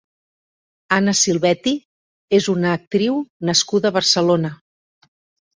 Anna Silvetti és una actriu nascuda a Barcelona.